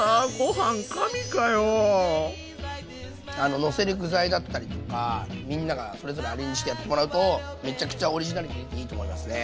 のせる具材だったりとかみんながそれぞれアレンジしてやってもらうとめちゃくちゃオリジナリティーあっていいと思いますね。